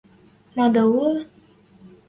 Мада улы?